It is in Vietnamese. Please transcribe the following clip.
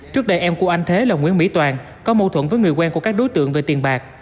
trước đây em của anh thế là nguyễn mỹ toàn có mâu thuẫn với người quen của các đối tượng về tiền bạc